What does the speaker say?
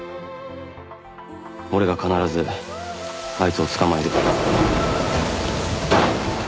俺が必ずあいつを捕まえる。